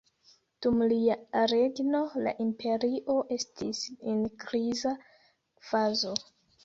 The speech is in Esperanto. Dum lia regno la imperio estis en kriza fazo.